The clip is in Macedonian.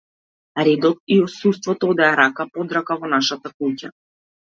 Редот и отсуството одеа рака под рака во нашата куќа.